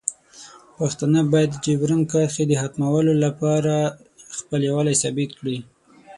پښتانه باید د ډیورنډ کرښې د ختمولو لپاره خپل یووالی ثابت کړي.